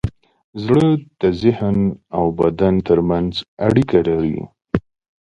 زړه د ذهن او بدن ترمنځ اړیکه لري.